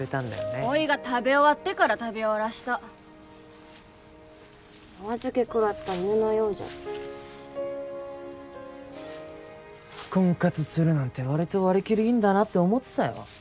おいが食べ終わってから食べよらしたおあずけ食らった犬のようじゃった婚活するなんてわりと割り切りいいんだなって思ってたよ